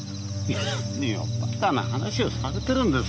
何を馬鹿な話をされてるんですか。